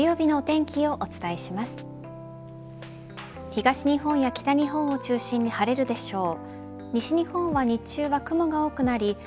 東日本や北日本を中心に晴れるでしょう。